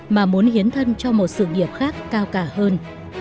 mà muốn hiến thân cho một sự nghiệp khác cao cả hơn